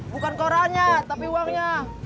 bukan korangnya tapi uangnya